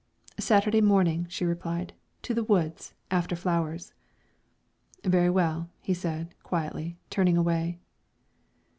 "Saturday morning," she replied; "to the woods, after flowers." "Very well," he said, quietly, turning away.